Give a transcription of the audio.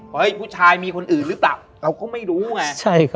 ผู้ชายมีคนอื่นหรือเปล่าเราก็ไม่รู้ไง